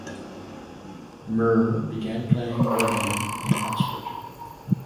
Muir began playing rugby in Oxford.